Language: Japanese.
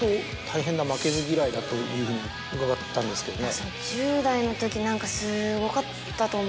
だというふうに伺ったんですけどね。